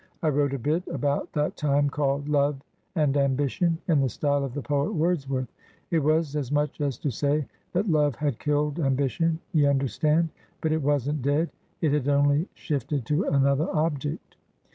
I wrote a bit about that time called Love and Ambition, in the style of the poet Wordsworth. It was as much as to say that Love had killed Ambition, ye understand? But it wasn't dead. It had only shifted to another object.